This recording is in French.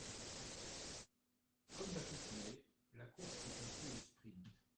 Comme d'accoutumé, la course se conclut au sprint.